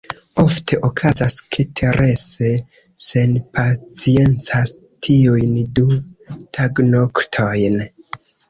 Ofte okazas, ke Terese senpaciencas tiujn du tagnoktojn.